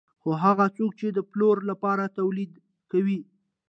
خو هغه څوک چې د پلور لپاره تولید کوي